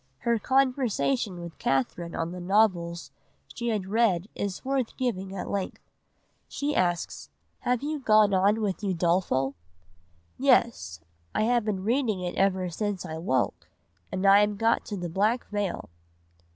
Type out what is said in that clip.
Her conversation with Catherine on the novels she had read is worth giving at length. She asks: "'Have you gone on with Udolpho?' "'Yes, I have been reading it ever since I woke; and I am got to the black veil.